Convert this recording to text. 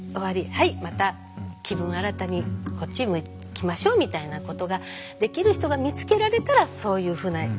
はいまた気分新たにこっち向きましょう」みたいなことができる人が見つけられたらそういうふうな関係を。